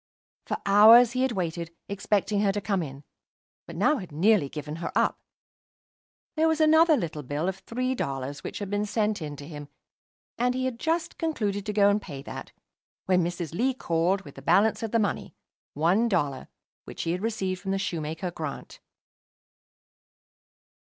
For hours he had waited, expecting her to come in; but now had nearly given her up. There was another little bill of three dollars which had been sent in to him, and he had just concluded to go and pay that, when Mrs. Lee called with the balance of the money, one dollar, which she had received from the shoemaker, Grant.